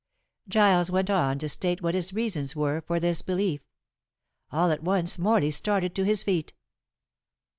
Giles went on to state what his reasons were for this belief. All at once Morley started to his feet.